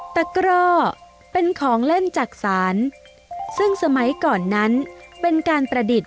กร่อเป็นของเล่นจักษานซึ่งสมัยก่อนนั้นเป็นการประดิษฐ์